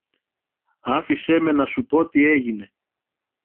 Άφησε με να σου πω τι έγινε.